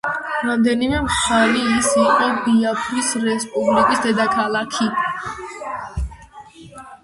რამდენიმე ხანი ის ასევე იყო ბიაფრის რესპუბლიკის დედაქალაქი.